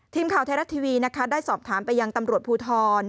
ทีมข่าวไทยรัฐทีวีนะคะได้สอบถามไปยังตำรวจภูทร